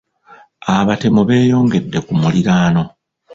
Abatemu beeyongedde ku muliraano.